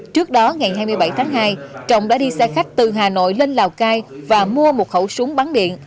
trước đó ngày hai mươi bảy tháng hai trọng đã đi xe khách từ hà nội lên lào cai và mua một khẩu súng bắn điện